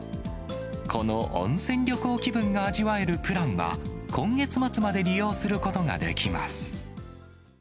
この温泉旅行気分が味わえるプランは、今月末まで、利用することができます。